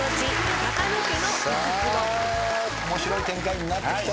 面白い展開になってきた。